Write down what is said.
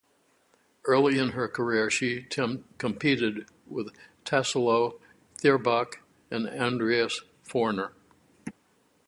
Early in her career, she competed with Tassilo Thierbach and Andreas Forner.